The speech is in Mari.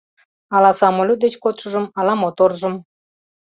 Ала самолёт деч кодшыжым, ала моторжым.